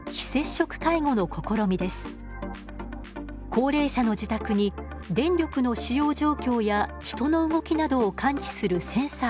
高齢者の自宅に電力の使用状況や人の動きなどを感知するセンサーを設置。